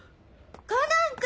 コナン君！